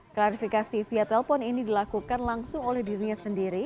klarifikasi via telepon ini dilakukan langsung oleh dirinya sendiri